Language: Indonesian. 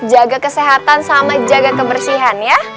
jaga kesehatan sama jaga kebersihan ya